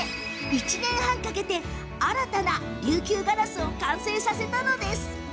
１年半かけて新たな琉球ガラスを完成させたのです。